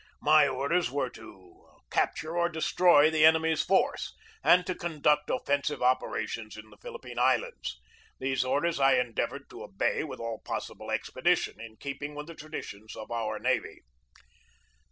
My orders were to capture or destroy the enemy's force, and to conduct offensive operations in the Philippine Islands. These orders I endeavored to obey with all possible expedition, in keeping with the traditions of our navy.